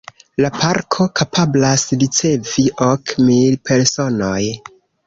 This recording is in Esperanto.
La Parko kapablas ricevi ok mil personojn.